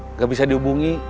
nggak bisa dihubungi